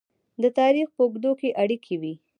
د تاریخ په اوږدو کې اړیکې وې.